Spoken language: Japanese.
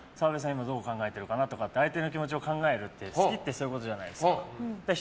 今どう考えてるかなとか相手の気持ちを考えるって好きってそういうことじゃないですか。